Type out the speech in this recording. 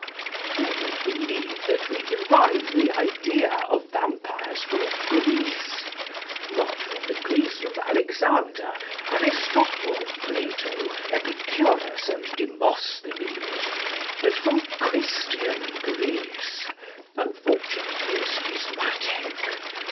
Who would believe that we derive the idea of vampires from Greece? Not from the Greece of Alexander, Aristotle, Plato, Epicurus, and Demosthenes; but from Christian Greece, unfortunately schismatic.